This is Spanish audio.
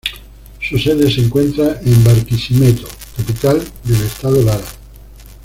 Su sede se encuentra en Barquisimeto, capital del Estado Lara.